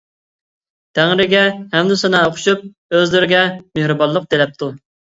تەڭرىگە ھەمدۇسانا ئۇقۇشۇپ ئۆزلىرىگە مېھرىبانلىق تىلەپتۇ.